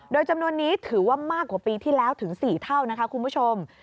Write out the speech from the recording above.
โดยจำนวนนี้ถือว่ามากกว่าปีที่แล้วถึง๔เท่านะคะคุณผู้ชม